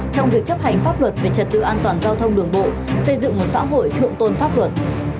trong việc chấp hành pháp luật về trật tự an toàn giao thông đường bộ xây dựng một xã hội thượng tôn pháp luật